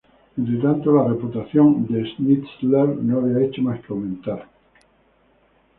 Entre tanto, la reputación de Schnitzler no había hecho más que aumentar.